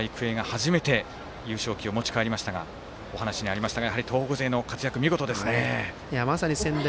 東北勢、去年の夏仙台育英が始めて優勝旗を持ち帰りましたがお話にあったように東北勢の活躍は見事ですね。